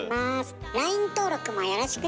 ＬＩＮＥ登録もよろしくね。